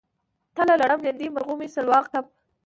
تله لړم لیندۍ مرغومی سلواغه کب